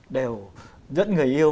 đều dẫn người yêu